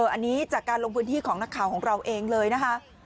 อันนี้จากการลงพื้นที่ของนักข่าวของเราเองเลยนะคะ